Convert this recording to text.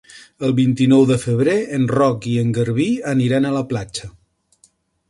El vint-i-nou de febrer en Roc i en Garbí aniran a la platja.